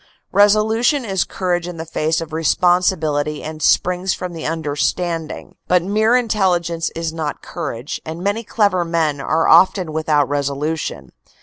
Reso lution is courage in the face of responsibility and springs from the understanding, but mere intelligence is not courage, and many clever men are often without resolution.